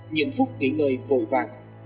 những phút nghỉ ngơi vội vàng